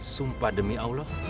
sumpah demi allah